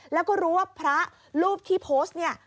แล้วก็รู้ว่าพระรูปที่โพสต์เนี่ย